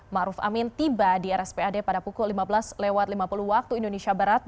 ⁇ ruf amin tiba di rspad pada pukul lima belas lima puluh waktu indonesia barat